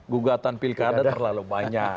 gugatan pilkada terlalu banyak